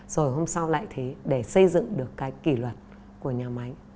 rồi hôm sau lại thế để xây dựng được cái kỷ luật của nhà máy